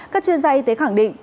các chuyên gia y tế khẳng định